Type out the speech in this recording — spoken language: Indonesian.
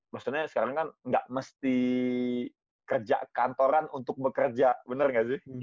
maksudnya sekarang kan gak mesti kerja kantoran untuk bekerja bener gak sih